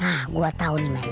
hah gua tau nih men